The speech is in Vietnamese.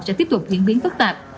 sẽ tiếp tục diễn biến phức tạp